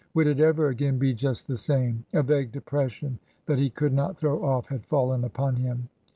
Would it ever again be just the same? A vague depression that he could not throw off had fallen ^ipon him.